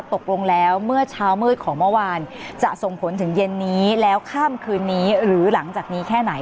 ตกลงแล้วเมื่อเช้ามืดของเมื่อวานจะส่งผลถึงเย็นนี้แล้วข้ามคืนนี้หรือหลังจากนี้แค่ไหน